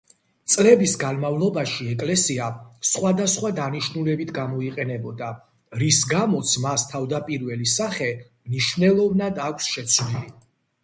წლების განმავლობაში ეკლესია სხვადასხვა დანიშნულებით გამოიყენებოდა, რის გამოც მას თავდაპირველი სახე მნიშვნელოვნად აქვს შეცვლილი.